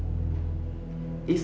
istri dan kekasih gelapnya